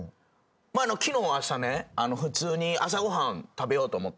昨日朝ね普通に朝ご飯食べようと思って。